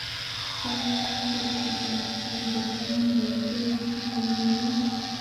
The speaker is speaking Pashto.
بس هرڅوک چې پر خپل دښمن ورپېښ سو ولي يې.